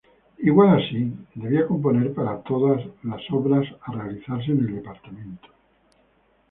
Igual Así, debía componer para todas las Obras a realizarse en el Dpto.